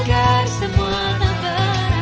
agar semua tak berakhir